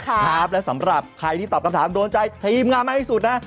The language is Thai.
ครับและสำหรับใครที่ตอบคำถามโดนใจทีมงานมากที่สุดนะ